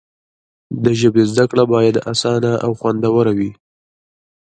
د ژبې زده کړه باید اسانه او خوندوره وي.